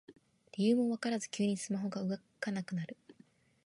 理由もわからず急にスマホが動かなくなる